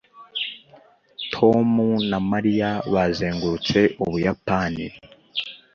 tom na mariya bazengurutse ubuyapani